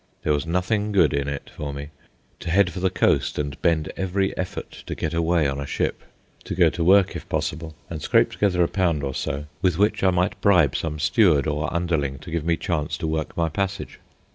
There was nothing good in it for me. To head for the coast and bend every effort to get away on a ship. To go to work, if possible, and scrape together a pound or so, with which I might bribe some steward or underling to give me chance to work my passage.